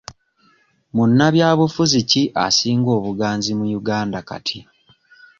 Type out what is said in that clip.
Munnabyabufuzi ki asinga obuganzi mu Uganda kati?